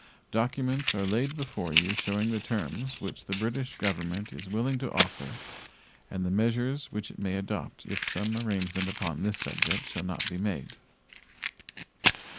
Documents are laid before you showing the terms which the British Government is willing to offer and the measures which it may adopt if some arrangement upon this subject shall not be made.